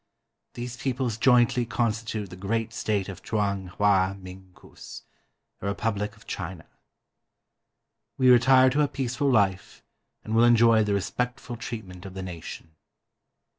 These peoples jointly constitute the great State of Chung Hwa Ming Kus [a republic of China]. "We retire to a peaceful life and will enjoy the respect ful treatment of the nation."